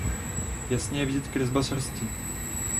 Jasně je vidět kresba srsti.